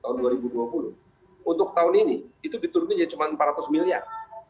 untuk tahun ini itu diturunkan jadi cuma empat ratus miliar